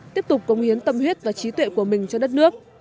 tiếp tục công hiến tâm huyết và trí tuệ của mình cho đất nước